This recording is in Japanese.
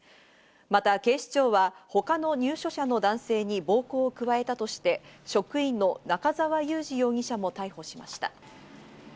また警視庁は他の入所者の男性に暴行を加えたとして、職員の中沢雄治容疑者も逮捕しました。